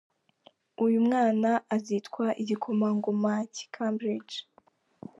Uyu mwana azitwa igikomangoma cy’i Cambridge.